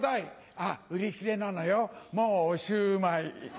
「あっ売り切れなのよもうオシューマイ」。